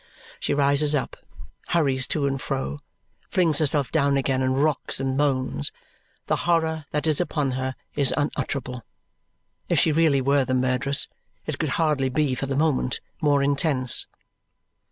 She rises up, hurries to and fro, flings herself down again, and rocks and moans. The horror that is upon her is unutterable. If she really were the murderess, it could hardly be, for the moment, more intense.